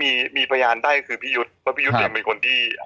อะไรอย่างเงี้ยอยู่งาน